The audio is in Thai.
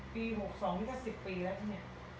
ปี๖๒นี่ก็๑๐ปีแล้วที่เนี่ย